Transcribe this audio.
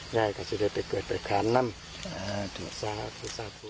ง่ายก็จะได้ไปเกิดไปขานน้ำสาธุสาธุ